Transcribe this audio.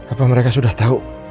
apa mereka sudah tahu